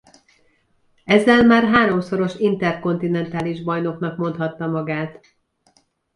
Ezzel már háromszoros interkontinentális bajnoknak mondhatta magát.